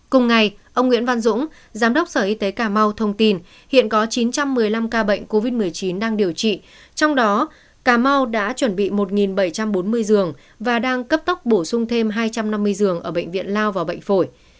cùng ngày ông nguyễn văn dũng giám đốc sở y tế cà mau thông tin hiện có chín trăm một mươi năm ca bệnh covid một mươi chín đang điều trị trong đó cà mau đã chuẩn bị một bảy trăm bốn mươi giường và đang cấp tốc bổ sung thêm hai trăm năm mươi giường ở bệnh viện lao và bệnh phổi